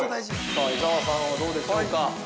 ◆さあ、伊沢さんはどうでしょうか。